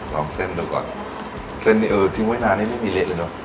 ลองเส้นดูก่อนเส้นนี้เออทิ้งไว้นานนี่ไม่มีเละเลยเนอะ